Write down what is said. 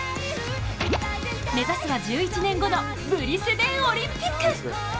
目指すは１１年後のブリスベンオリンピック。